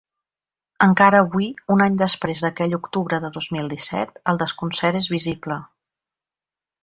Encara avui, un any després d’aquell octubre de dos mil disset, el desconcert és visible.